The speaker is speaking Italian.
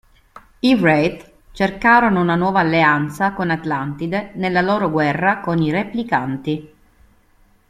I Wraith cercano una nuova alleanza con Atlantide nella loro guerra con i Replicanti.